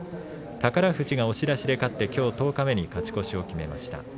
宝富士が押し出しで勝って十日目に勝ち越しを決めました。